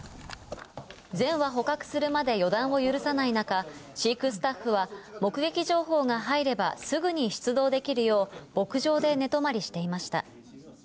全羽捕獲するまで予断を許さない中、飼育スタッフは、目撃情報が入ればすぐに出動できるよう、牧場で寝泊まりしていました。